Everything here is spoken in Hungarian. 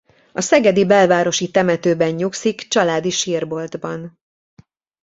A szegedi Belvárosi temetőben nyugszik családi sírboltban.